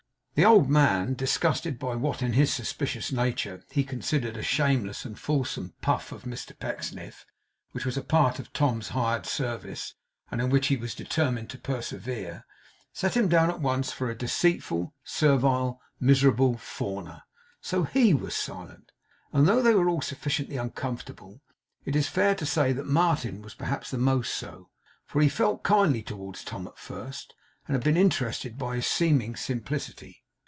The old man, disgusted by what in his suspicious nature he considered a shameless and fulsome puff of Mr Pecksniff, which was a part of Tom's hired service and in which he was determined to persevere, set him down at once for a deceitful, servile, miserable fawner. So HE was silent. And though they were all sufficiently uncomfortable, it is fair to say that Martin was perhaps the most so; for he had felt kindly towards Tom at first, and had been interested by his seeming simplicity.